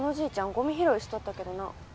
ゴミ拾いしとったけどな。